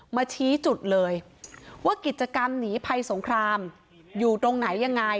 มาชี้จุดเลยว่ากิจกรรมหนีภัยสงครามอยู่ตรงไหนยังไง